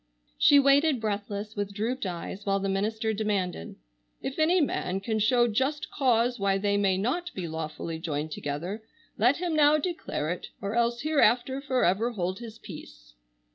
She waited breathless with drooped eyes while the minister demanded, "If any man can show just cause why they may not be lawfully joined together, let him now declare it, or else hereafter forever hold his peace."